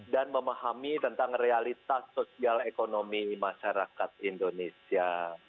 memahami tentang realitas sosial ekonomi masyarakat indonesia